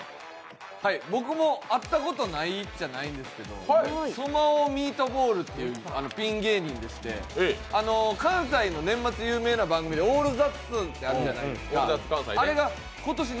僕も会ったことないっちゃないんですけど、ソマオ・ミートボールっていう芸人でして、関西の有名な番組で年末「オールザッツ」ってあるじゃないですか。